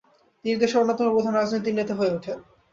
তিনি দেশের অন্যতম প্রধান রাজনৈতিক নেতা হয়ে ওঠেন।